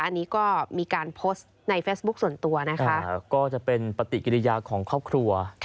อันนี้ก็มีการโพสต์ในเฟซบุ๊คส่วนตัวนะคะก็จะเป็นปฏิกิริยาของครอบครัว